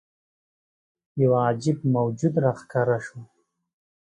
یوه عجيب موجود راښکاره شو.